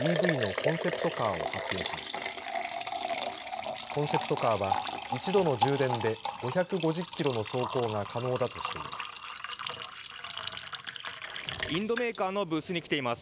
コンセプトカーは１度の充電で５５０キロの走行が可能だとしています。